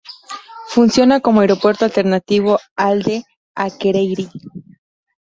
Funciona como aeropuerto alternativo al de Akureyri.